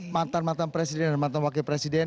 mantan mantan presiden dan mantan wakil presiden